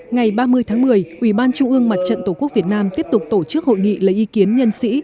ngày ba mươi tháng một mươi ủy ban trung ương mặt trận tổ quốc việt nam tiếp tục tổ chức hội nghị lấy ý kiến nhân sĩ